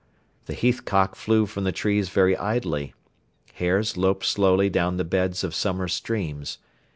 The heathcock flew from the trees very idly, hares loped slowly down the beds of summer streams.